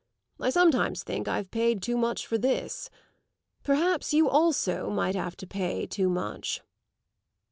I sometimes think I've paid too much for this. Perhaps you also might have to pay too much."